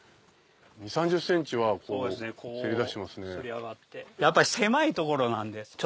２０３０ｃｍはせり出していますね。